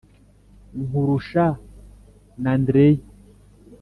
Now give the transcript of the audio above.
Nkurusha n'Andreya